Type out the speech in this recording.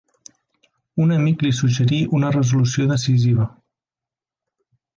Un amic li suggerí una resolució decisiva.